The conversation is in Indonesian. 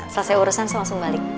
selesai urusan saya langsung balik